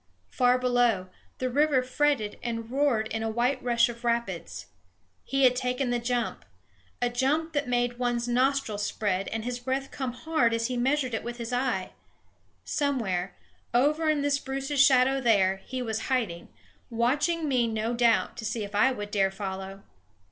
Far below, the river fretted and roared in a white rush of rapids. He had taken the jump, a jump that made one's nostrils spread and his breath come hard as he measured it with his eye. Somewhere, over in the spruces' shadow there, he was hiding, watching me no doubt to see if I would dare follow.